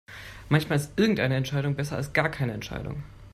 Manchmal ist irgendeine Entscheidung besser als gar keine Entscheidung.